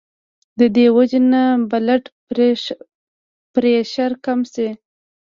د دې وجې نه بلډ پرېشر کم شي